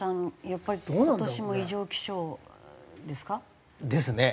やっぱり今年も異常気象ですか？ですね。